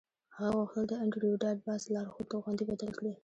هغه غوښتل د انډریو ډاټ باس لارښود توغندی بدل کړي